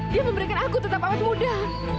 dia memberikan aku tetap amat mudah